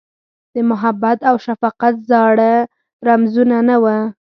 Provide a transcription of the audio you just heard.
د محبت اوشفقت زاړه رمزونه، نه وه